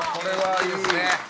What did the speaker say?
いいですね！